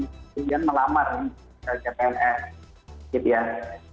kemudian melamar oleh cpns